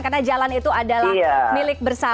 karena jalan itu adalah milik bersama ya